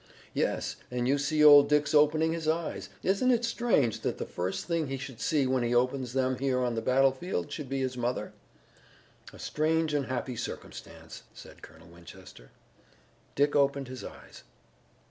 "Yes, and you see old Dick's opening his eyes. Isn't it strange that the first thing he should see when he opens them here on the battlefield should be his mother?" "A strange and happy circumstance," said Colonel Winchester. Dick opened his eyes.